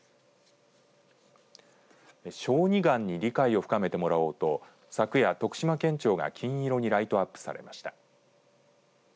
小児がんに理解を深めてもらおうと昨夜、徳島県庁が金色にライトアップされました。